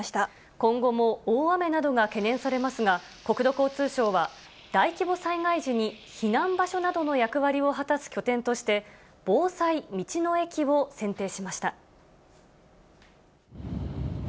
今後も大雨などが懸念されますが、国土交通省は、大規模災害時に避難場所などの役割を果たす拠点として、防災道の駅を選定しました。